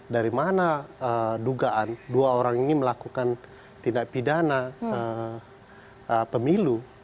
dari mana dugaan dua orang ini melakukan tindak pidana pemilu